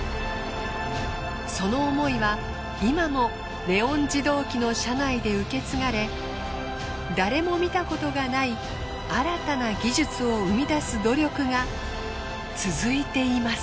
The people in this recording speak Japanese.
その思いは今もレオン自動機の社内で受け継がれ誰も見たことがない新たな技術を生み出す努力が続いています。